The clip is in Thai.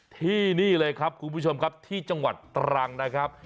ที่นี่เลยครับคุณผู้ชมครับที่จังหวัดตรังนะครับ